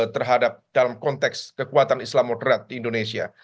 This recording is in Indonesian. terhadap dalam konteks kekuatan islam moderat di indonesia